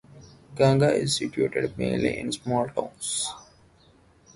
Ganga is situated mainly in small towns.